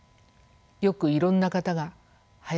よくいろんな方が「林さん